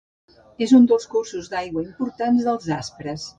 És un dels cursos d'aigua importants dels Aspres.